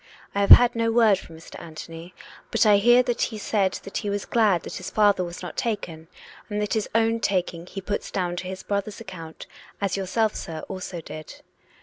I have had no word from Mr. Anthony, but I hear that he said that he was glad that his father was not taken, and that his own taking he puts down to his brother's account, as yourself, sir, also did.